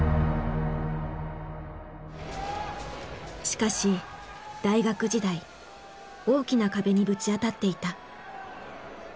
しかし大学時代大きな壁にぶち当たっていた。